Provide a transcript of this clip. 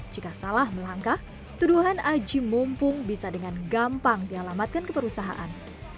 jika salah melangkah tuduhan aji mumpung bisa dengan gampang dialamatkan ke perusahaan